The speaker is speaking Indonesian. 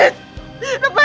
lepaskan aku mas